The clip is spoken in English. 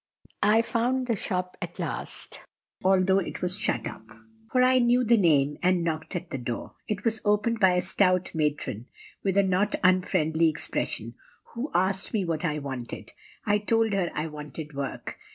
I found the shop at last, although it was shut up; for I knew the name, and knocked at the door. It was opened by a stout matron, with a not unfriendly expression, who asked me what I wanted. I told her I wanted work.